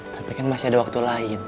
tapi kan masih ada waktu lain